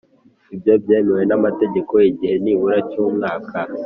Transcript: Ibyo byemewe n’amategeko igihe nibura cy’umwaka